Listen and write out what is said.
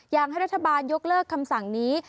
อยากให้รัฐบาลยกเลิกคำสั่งนี้